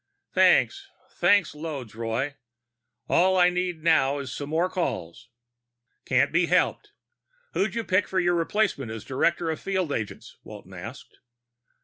"Thanks. Thanks loads, Roy. All I need now is some more calls." "Can't be helped. Who'd you pick for your replacement as director of field agents?" Walton asked.